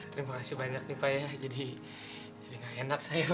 terima kasih banyak nih pak ya jadi gak enak saya